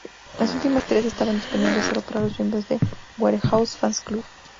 Las últimas tres estaban disponibles solo para los miembros del Warehouse Fan Club.